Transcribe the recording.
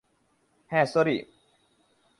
Ha, sorry.